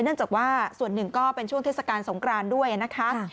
เนื่องจากว่าส่วนหนึ่งก็เป็นช่วงเทศกาลสงครานด้วยนะคะ